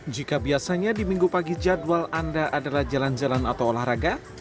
jika biasanya di minggu pagi jadwal anda adalah jalan jalan atau olahraga